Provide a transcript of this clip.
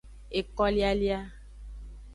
Ekolialia.